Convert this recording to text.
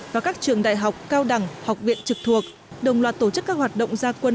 và các trường đại học cao đẳng học viện trực thuộc đồng loạt tổ chức các hoạt động gia quân